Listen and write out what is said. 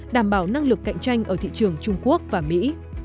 đảm bảo năng lực cạnh tranh ở thị trường trung quốc và mỹ